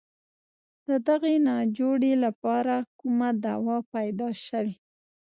د دغې ناجوړې لپاره کومه دوا پیدا شوې.